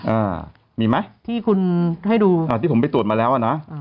อ่ามีไหมที่คุณให้ดูอ่าที่ผมไปตรวจมาแล้วอ่ะนะ